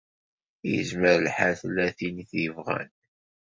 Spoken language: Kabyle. Izmer lḥal tella tin i t-yebɣan.